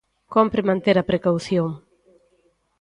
Cómpre manter a precaución.